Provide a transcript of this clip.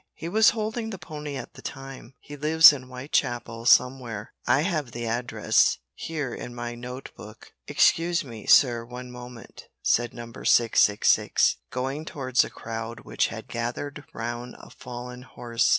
He was holding the pony at the time. He lives in Whitechapel somewhere. I have the address here in my note book." "Excuse me, sir, one moment," said Number 666, going towards a crowd which had gathered round a fallen horse.